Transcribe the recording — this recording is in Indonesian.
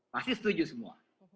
pasti setuju semua